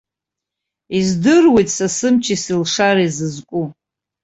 Издыруеит са сымчи сылшареи зызку.